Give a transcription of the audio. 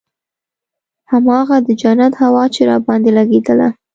هماغه د جنت هوا چې راباندې لګېدله.